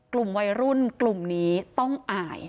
กลุ่มวัยรุ่นกลุ่มนี้ต้องอาย